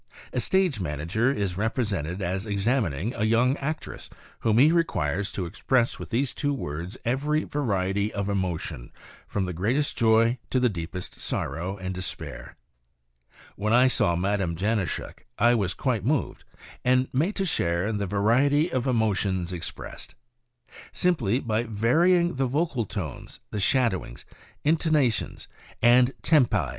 1 A stage manager is represented as examining a young actress whom he requires to express with these two words every variety of emotion, from the greatest joy to the deepest sorrow and de spair. When I saw Madame Janauschek I was quite moved, and made to share in the variety of emotions expressed. Simply by varying the vocal tones, the shadowings, intonations and tempi AND YOCAL ILLUSIONS.